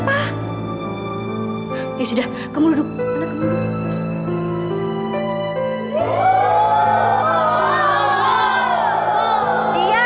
dia terserah nelfonnya